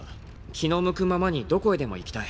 気の向くままにどこへでも行きたい。